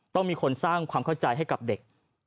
ต้องมีคนสร้างความเข้าใจให้กับเด็ก